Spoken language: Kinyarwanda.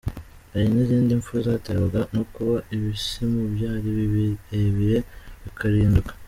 Hari n’izindi mfu zaterwaga no kuba ibisumu byari birebire, bikariduka.